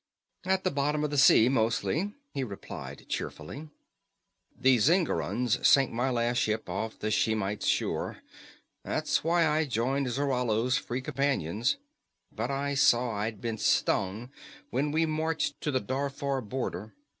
"At the bottom of the sea, mostly," he replied cheerfully. "The Zingarans sank my last ship off the Shemite shore that's why I joined Zarallo's Free Companions. But I saw I'd been stung when we marched to the Darfar border.